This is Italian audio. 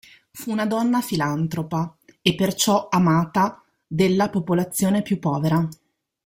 Fu una donna filantropa e perciò amata della popolazione più povera.